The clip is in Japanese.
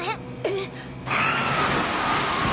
えっ⁉